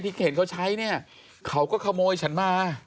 เรื่องของ้ามงของหนังหมา